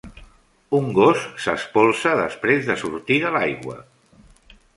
Un gos s'espolsa després de sortir de l'aigua.